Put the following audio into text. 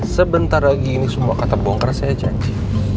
sebentar lagi ini semua kata bongkar saya janji